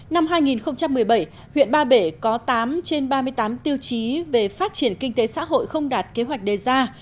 năm hai nghìn một mươi bảy huyện ba bể có tám trên ba mươi tám tiêu chí về phát triển kinh tế xã hội không đạt kế hoạch đề ra